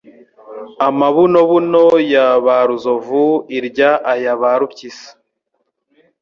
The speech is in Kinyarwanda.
amabunobuno ya Baruzovu irya aya Barupyisi